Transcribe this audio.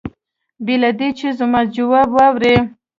بې له دې چې زما ځواب واوري.